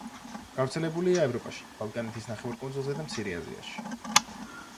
გავრცელებულია ევროპაში, ბალკანეთის ნახევარკუნძულზე და მცირე აზიაში.